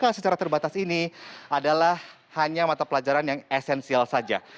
karena secara terbatas ini adalah hanya mata pelajaran yang esensial saja